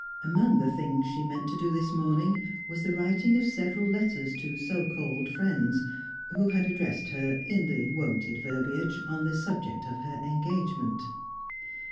Among the things she meant to do this morning was the writing of several letters to so called friends, who had addressed her in the wonted verbiage on the subject of her engagement.